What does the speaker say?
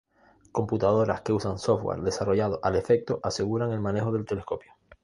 Computadoras que usan software desarrollado al efecto aseguran el manejo del telescopio.